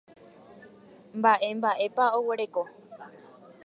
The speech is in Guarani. Mba'e mba'épa oguereko.